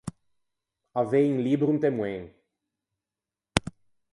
Avei un libbro inte moen.